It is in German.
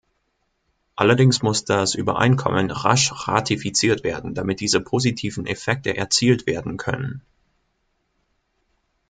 Allerdings muss das Übereinkommen rasch ratifiziert werden, damit diese positiven Effekte erzielt werden können.